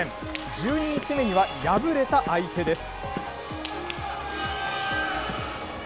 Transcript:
１２日目には敗れた相手です。